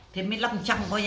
thêm mấy lăm trăm